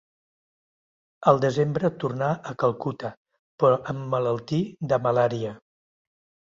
El desembre tornà a Calcuta però emmalaltí de malària.